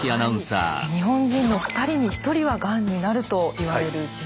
日本人の２人に１人はがんになるといわれる時代。